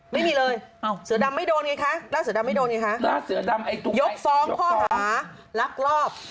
ไม่มีเลยเอาเสือดำไม่มาเลยคะจะจะไม่โดนนะค่ะจะจะมายุทธฟองผ้ารับรอบ